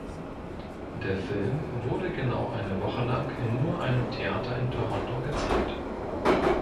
Der Film wurde genau eine Woche lang in nur einem Theater in Toronto gezeigt.